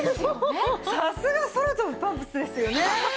さすが空飛ぶパンプスですよね。